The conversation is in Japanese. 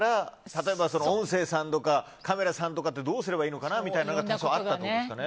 例えば、音声さんとかカメラさんとかとどうすればいいのかなというのが多少あったということですかね。